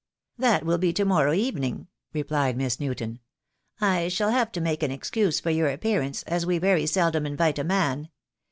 "That will be to morrow evening," replied Miss Newton. "I shall have to make an excuse for your appearance, as we very seldom invite a man.